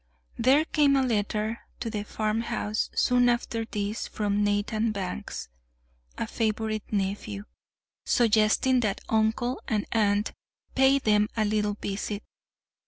There came a letter to the farmhouse soon after this from Nathan Banks, a favorite nephew, suggesting that "uncle and aunt" pay them a little visit.